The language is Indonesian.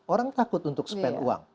orang takut untuk spend uang